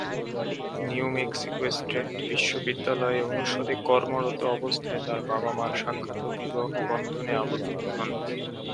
New Mexico State বিশ্ববিদ্যালয়ে অনুষদে কর্মরত অবস্থায় তাঁর বাবা-মা'র সাক্ষাত ও বিবাহবন্ধনে আবদ্ধ হন।